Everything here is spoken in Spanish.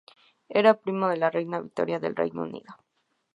Era primo de la reina Victoria del Reino Unido.